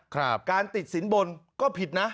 การติดสินบนก็ผิดนะ